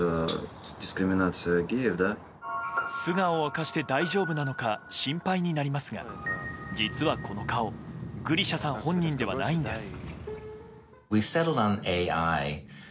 素顔を明かして大丈夫なのか心配になりますが実は、この顔グリシャさん本人ではないんです。